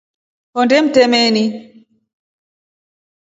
Hondee mtremeni.